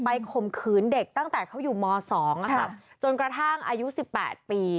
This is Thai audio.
ข่มขืนเด็กตั้งแต่เขาอยู่ม๒จนกระทั่งอายุ๑๘ปี